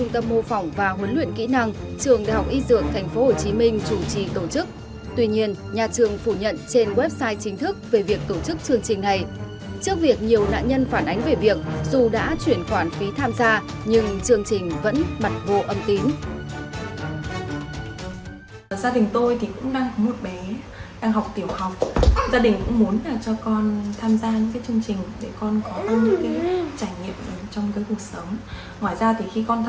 trước việc nhiều nạn nhân phản ánh về việc dù đã chuyển khoản phí tham gia nhưng chương trình vẫn bật vô âm tín